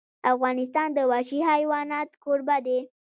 افغانستان د وحشي حیوانات کوربه دی.